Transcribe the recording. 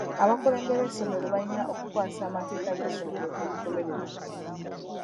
Abakulembera essomero balina okukkwasisa amateeka g'essomero n'ebigobererwa.